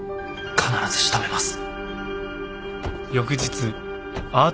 必ず仕留めます。